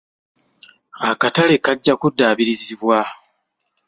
Akatale kajja kuddaabirizibwa.